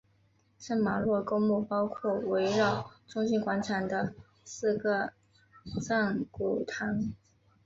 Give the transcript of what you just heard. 圣玛洛公墓包括围绕中心广场的四个藏骨堂。